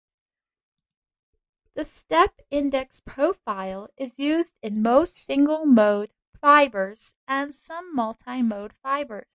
The step-index profile is used in most single-mode fibers and some multimode fibers.